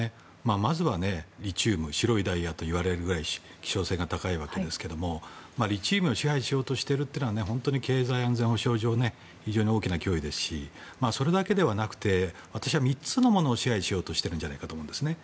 まずはリチウム白いダイヤといわれるぐらい希少性が高いわけですがリチウムを支配しようとしていることは経済や安全保障上非常に大きな脅威ですしそれだけではなくて私は３つのものを支配しようと思ってるんじゃないかと思うんですね。